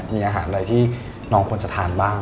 มีอาหารอะไรที่น้องควรจะทานบ้าง